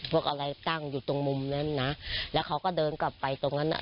พวกอะไรตั้งอยู่ตรงมุมนั้นนะแล้วเขาก็เดินกลับไปตรงนั้นอ่ะ